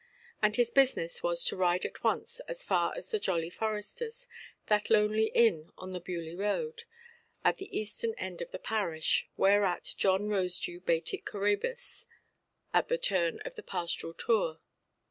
And his business was to ride at once as far as the "Jolly Foresters", that lonely inn on the Beaulieu–road, at the eastern end of the parish, whereat John Rosedew baited Coræbus at the turn of the pastoral tour.